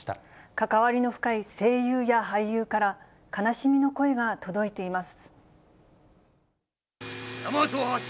関わりの深い声優や、俳優から、悲しみの声が届いています。